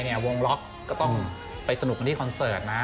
ยี้บอกว่าวงล็อคก็ต้องไปสนุกคนที่คอนเสิร์ตนะ